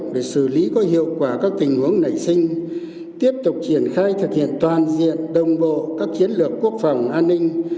để xử lý có hiệu quả các tình huống nảy sinh tiếp tục triển khai thực hiện toàn diện đồng bộ các chiến lược quốc phòng an ninh